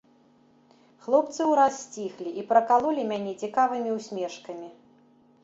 Хлопцы ўраз сціхлі і пракалолі мяне цікавымі ўсмешкамі.